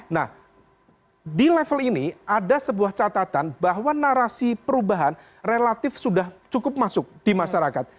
nah di level ini ada sebuah catatan bahwa narasi perubahan relatif sudah cukup masuk di masyarakat